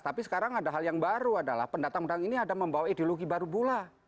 tapi sekarang ada hal yang baru adalah pendatang pendatang ini ada membawa ideologi baru pula